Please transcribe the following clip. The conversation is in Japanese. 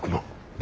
え？